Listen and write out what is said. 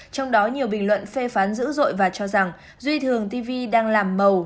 trong đó nhiều bình luận phê phán dữ dội và cho rằng duy thường tv đang làm màu